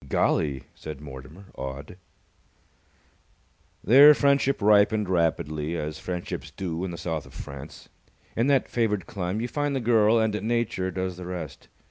"Golly!" said Mortimer, awed. Their friendship ripened rapidly, as friendships do in the South of France. In that favoured clime, you find the girl and Nature does the rest.